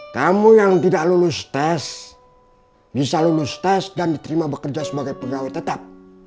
kamu yang tidak lulus tes bisa lulus tes dan diterima bekerja sebagai pegawai tetap